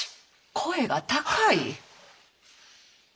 声が高い。